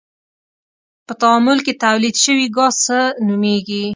په تعامل کې تولید شوی ګاز څه نومیږي؟